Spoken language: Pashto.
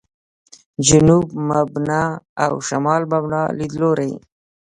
«جنوب مبنا» او «شمال مبنا» لیدلوري.